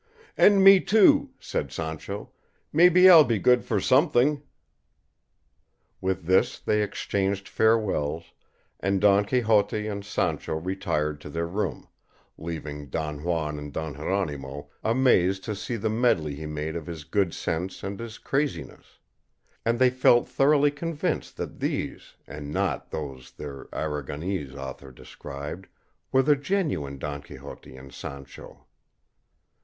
"And me too," said Sancho; "maybe I'll be good for something." With this they exchanged farewells, and Don Quixote and Sancho retired to their room, leaving Don Juan and Don Jeronimo amazed to see the medley he made of his good sense and his craziness; and they felt thoroughly convinced that these, and not those their Aragonese author described, were the genuine Don Quixote and Sancho.